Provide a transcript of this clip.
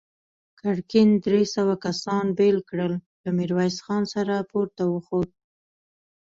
ګرګين درې سوه کسان بېل کړل، له ميرويس خان سره پورته وخوت.